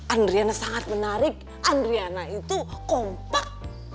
adriana sangat menarik adriana itu kompak